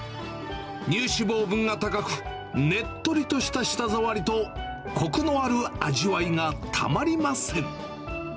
乳脂肪分が高く、ねっとりとした舌触りと、こくのある味わいがたまりません。